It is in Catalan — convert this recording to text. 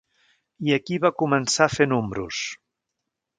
I aquí va començar a fer números: